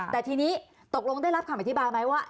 แต่ทีนี้ตกลงได้รับคำอธิบายไหมว่า